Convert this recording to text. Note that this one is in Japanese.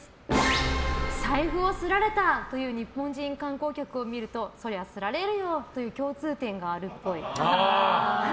財布をスラれた！という日本人観光客を見るとそりゃスラれるよという共通点があるっぽい。